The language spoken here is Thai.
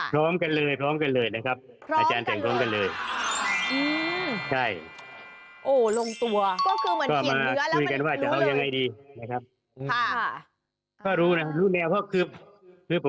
พร้อมกันเลยนะครับ